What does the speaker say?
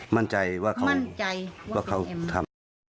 มั่นใจว่าเขาทำมั่นใจว่าเป็นแอม